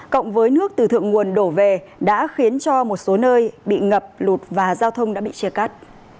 cộng với nước từ thượng nguồn đổ về đã khiến cho một số nơi bị ngập lụt và giao thông đã bị chia cắt